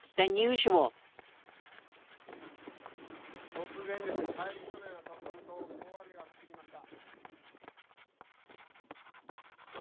突然ですね、台風のような突風と大雨が降ってきました。